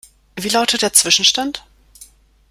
Wie lautet der Zwischenstand?